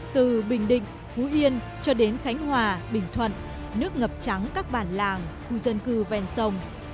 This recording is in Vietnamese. từ bình định phú yên cho đến khánh hòa bình thuận nước ngập trắng các bản làng khu dân cư ven sông